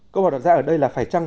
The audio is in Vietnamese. câu hỏi đặt ra ở đây là phải trăng